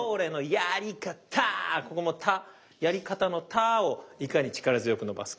ここも「た」「やり方」の「た」をいかに力強く伸ばすか。